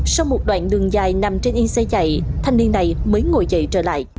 sau một đoạn đường dài nằm trên yên xe chạy thanh niên này mới ngồi dậy trở lại